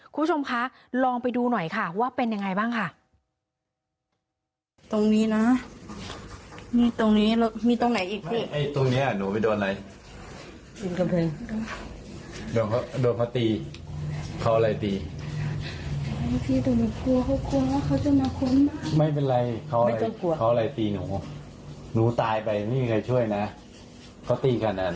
คุณผู้ชมคะลองไปดูหน่อยค่ะว่าเป็นยังไงบ้างค่ะ